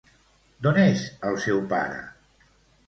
D'on és el seu pare?